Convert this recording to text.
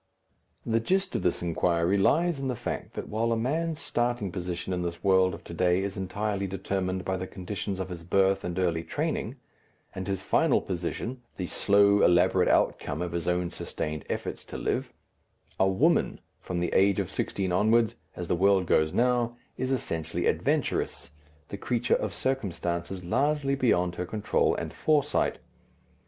The gist of this inquiry lies in the fact that, while a man's starting position in this world of to day is entirely determined by the conditions of his birth and early training, and his final position the slow elaborate outcome of his own sustained efforts to live, a woman, from the age of sixteen onward as the world goes now is essentially adventurous, the creature of circumstances largely beyond her control and foresight.